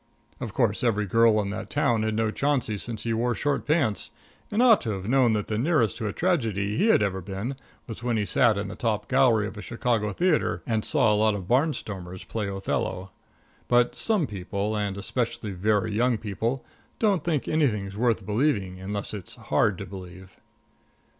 Of course, every girl in that town had known Chauncey since he wore short pants, and ought to have known that the nearest to a tragedy he had ever been was when he sat in the top gallery of a Chicago theatre and saw a lot of barnstormers play Othello. But some people, and especially very young people, don't think anything's worth believing unless it's hard to believe.